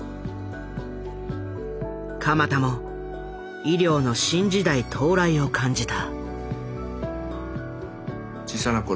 鎌田も医療の新時代到来を感じた。